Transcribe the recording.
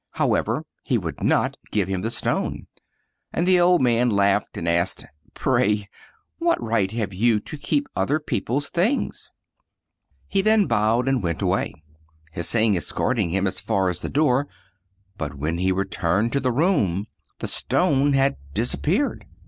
However, he w ould not give him the stone ; and the old man laughed, and asked, " Pray, what right have you to keep other peo ple's things?" He then bowed and went away, Hsing es corting him as far as the door; but when he returned to the room the stone had disappeared.